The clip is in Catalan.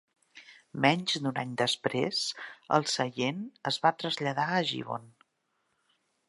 Menys d'un any després, el seient es va traslladar a Gibbon.